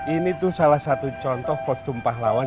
ini tuh salah satu contoh kostum pahlawan